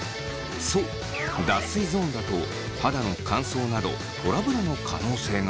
そう脱水ゾーンだと肌の乾燥などトラブルの可能性が。